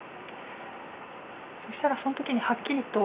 そしたらその時にはっきりと「難しいね。